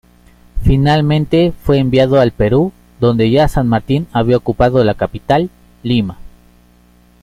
Finalmente fue enviado al Perú, donde ya San Martín había ocupado la capital, Lima.